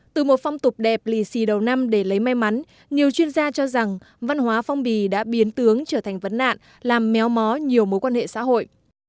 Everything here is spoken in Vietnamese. từ một phong tục đẹp lì xì đầu năm để lấy may mắn nhiều chuyên gia cho rằng văn hóa phong bì đã biến tướng trở thành vấn nạn làm méo mó nhiều mối quan hệ xã hội